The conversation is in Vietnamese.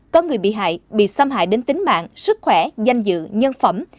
có người bị hại bị xâm hại đến tính mạng sức khỏe danh dự nhân phẩm